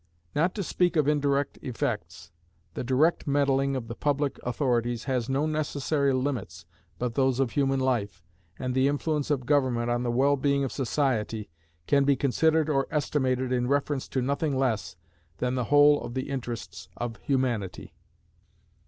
Not to speak of indirect effects, the direct meddling of the public authorities has no necessary limits but those of human life, and the influence of government on the well being of society can be considered or estimated in reference to nothing less than the whole of the interests of humanity.